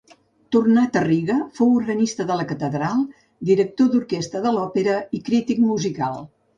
Tornat a Riga, fou organista de la catedral, director d'orquestra de l'òpera i crític musical.